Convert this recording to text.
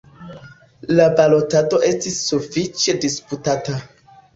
La balotado estis sufiĉe disputata.